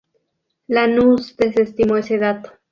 Lanusse desestimó ese dato.